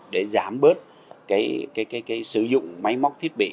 để giảm bớt cái sử dụng máy móc thiết bị